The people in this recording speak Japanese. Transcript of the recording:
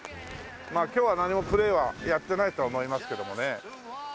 まあ今日は何もプレーはやってないとは思いますけどもね。